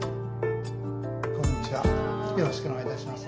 こんにちはよろしくお願いいたします。